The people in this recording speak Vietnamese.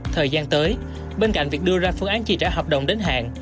thời gian tới bên cạnh việc đưa ra phương án chi trả hợp đồng đến hạn